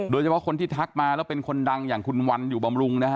โดยเฉพาะคนที่ทักมาแล้วเป็นคนดังอย่างคุณวันอยู่บำรุงนะฮะ